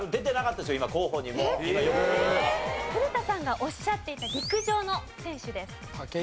古田さんがおっしゃっていた陸上の選手です。